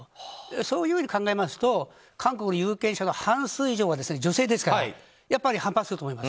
そう考えると韓国の有権者の半分以上は女性ですからやっぱり反発すると思います。